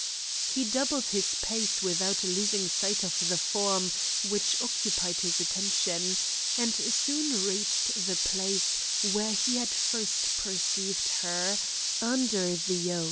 He doubled his pace without losing sight of the form which occupied his attention, and soon reached the place where he had first perceived her, under the oak.